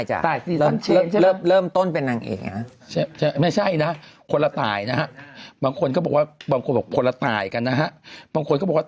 ใช่จ้ะเริ่มต้นเป็นนางเอกนะฮะไม่ใช่นะคนละตายนะฮะบางคนก็บอกว่า